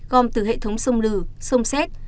gom từ hệ thống sông lừ sông xét